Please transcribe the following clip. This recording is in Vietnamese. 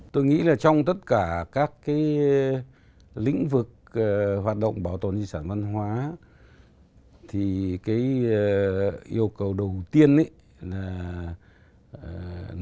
tôi nghĩ là trong tất cả các cái lĩnh vực hoạt động bảo tồn di sản văn hóa thì cái yêu cầu đầu tiên là nâng cao